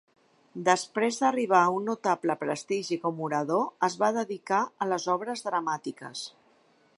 Després d'arribar a un notable prestigi com orador es va dedicar a les obres dramàtiques.